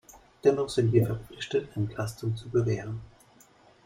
Dennoch sind wir verpflichtet, Entlastung zu gewähren.